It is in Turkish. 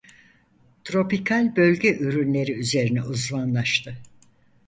Tropikal bölge ürünleri üzerine uzmanlaştı.